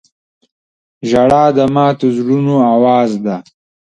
• ژړا د ماتو زړونو اواز دی.